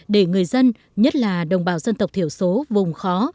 để người dân nhất là đồng bào dân tộc thiểu số vùng khó